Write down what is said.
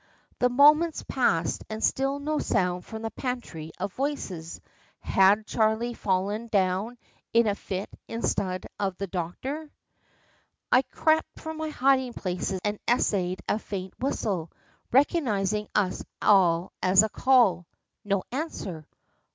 The moments passed, and still no sound from the pantry of voices. Had Charley fallen down in a fit instead of the doctor? I crept from my hiding place and essayed a faint whistle, recognised by us all as a call. No answer.